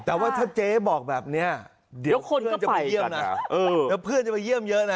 แต่ว่าถ้าเจ๊บอกแบบนี้เดี๋ยวเพื่อนจะไปเยี่ยมเยอะนะ